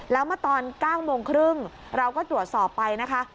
แล้วเมื่อตอน๙โมงครึ่งเราก็ตรวจสอบไปนะคะ